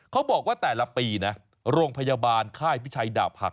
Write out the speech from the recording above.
เขาบอกว่าแต่ละปีนะโรงพยาบาลค่ายพิชัยดาบหัก